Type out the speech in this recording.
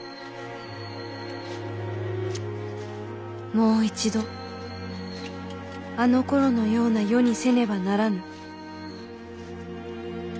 「もう一度あのころのような世にせねばならぬ」。